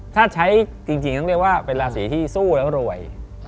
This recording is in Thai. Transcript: ถ้าใช้จริงต้องเรียกว่าเป็นราศีที่สู้แล้วรวย